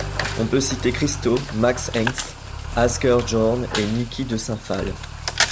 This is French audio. On peut citer Christo, Max Ernst, Asger Jorn et Niki de Saint-Phalle.